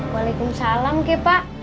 waalaikumsalam ke pak